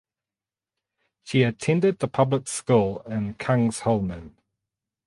She attended the public school in Kungsholmen.